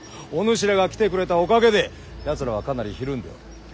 おぬしらが来てくれたおかげでやつらはかなりひるんでおる。